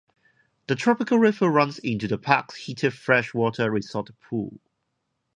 The Tropical River runs into the park's heated freshwater resort pool.